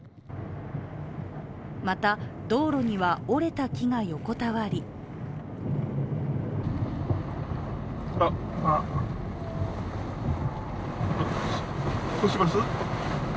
また、道路には折れた木が横たわりあっ、どうします？